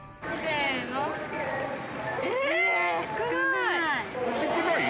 少ない？